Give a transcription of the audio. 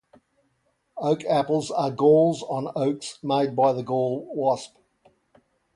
Oak apples are galls on oaks made by the gall wasp.